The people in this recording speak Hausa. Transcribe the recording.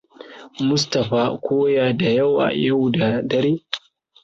Mustapha koya da yawa yau da dare.